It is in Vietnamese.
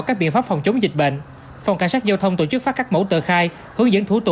các biện pháp phòng chống dịch bệnh phòng cảnh sát giao thông tổ chức phát các mẫu tờ khai hướng dẫn thú